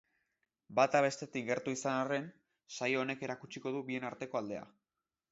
Bata bestetik gertu izan arren, saio honek erakutsiko du bien arteko aldea.